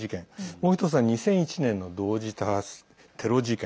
もう１つは２００１年の同時多発テロ事件。